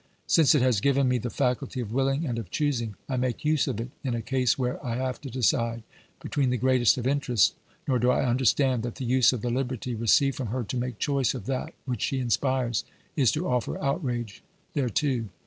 Since it has given me the faculty of wilHng and of choosing, I make use of it in a case where I have to decide between the greatest of interests, nor do I understand that the use of the liberty received from her to make choice of that which she inspires, is to offer outrage thereto.